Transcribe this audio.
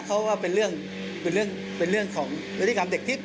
เขาว่าเป็นเรื่องของวิธีกรรมเด็กที่